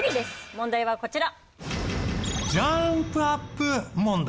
問題はこちら。